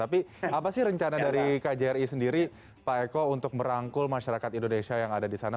tapi apa sih rencana dari kjri sendiri pak eko untuk merangkul masyarakat indonesia yang ada di sana